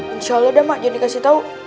insya allah dah mak jangan dikasih tahu